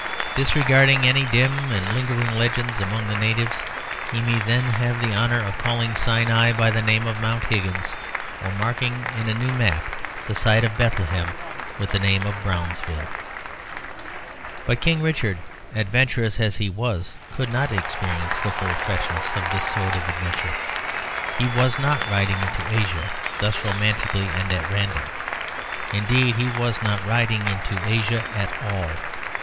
Disregarding any dim and lingering legends among the natives, he may then have the honour of calling Sinai by the name of Mount Higgins, or marking on a new map the site of Bethlehem with the name of Brownsville. But King Richard, adventurous as he was, could not experience the full freshness of this sort of adventure. He was not riding into Asia thus romantically and at random; indeed he was not riding into Asia at all.